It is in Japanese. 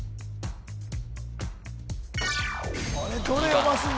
あれどれ読ますんだ？